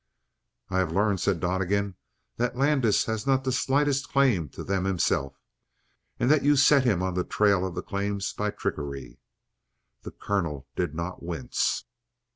"I have learned," said Donnegan, "that Landis has not the slightest claim to them himself. And that you set him on the trail of the claims by trickery." The colonel did not wince.